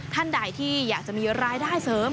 ท่านใดที่อยากจะมีรายได้เสริม